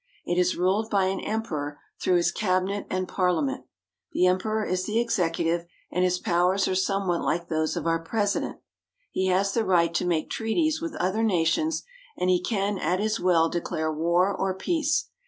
It is ruled by an Emperor through his Cabinet and Parliament. The Emperor is the Executive, and his powers are some what like those of our President. He has the right to make treaties with other nations, and he can at his will de clare war or peace.